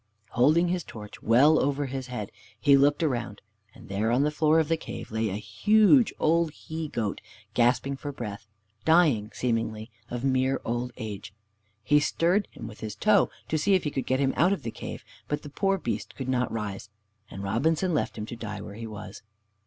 Holding his torch well over his head, he looked around, and there on the floor of the cave lay a huge old he goat, gasping for breath, dying, seemingly of mere old age. He stirred him with his toe to see if he could get him out of the cave, but the poor beast could not rise, and Robinson left him to die where he was.